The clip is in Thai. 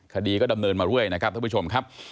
คดีก็ดำเนินมาเรื่อยนะครับท่านผู้ชมครับ